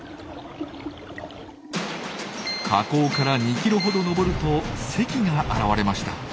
河口から２キロほど上ると堰が現れました。